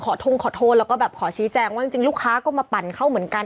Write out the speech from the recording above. ทงขอโทษแล้วก็แบบขอชี้แจงว่าจริงลูกค้าก็มาปั่นเข้าเหมือนกัน